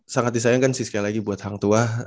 sangat disayangkan sih sekali lagi buat hang tua